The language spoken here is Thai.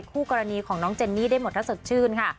คู่กรณีของน้องเจนนี่ได้หมดถ้าสดชื่นค่ะ